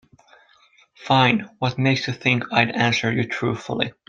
Fine, what makes you think I'd answer you truthfully?